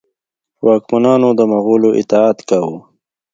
واکمنانو د مغولو اطاعت کاوه.